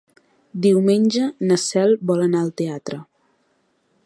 Diumenge na Cel vol anar al teatre.